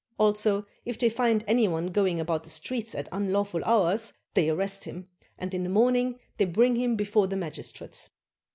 Also if they find any one going about the streets at unlawful hours, they arrest him, and in the morning they bring him before the magistrates.